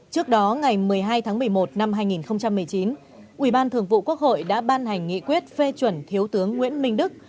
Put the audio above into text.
trước đó ngày một mươi hai tháng một mươi một năm hai nghìn một mươi chín ủy ban thường vụ quốc hội đã ban hành nghị quyết phê chuẩn thiếu tướng nguyễn minh đức